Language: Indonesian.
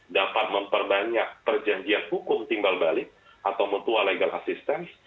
dapat memperbanyak perjanjian hukum timbal balik atau mutual legal assistance